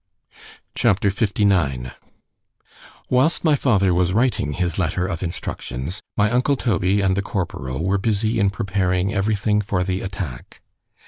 C H A P. LIX WHILST my father was writing his letter of instructions, my uncle Toby and the corporal were busy in preparing every thing for the attack.